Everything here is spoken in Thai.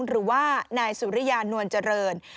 หรือว่านายสุริยานวลเจริญ